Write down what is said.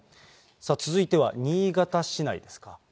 続いては新潟市内ですか。